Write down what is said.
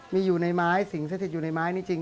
มีอยู่ในไม้สิ่งสถิตอยู่ในไม้นี่จริง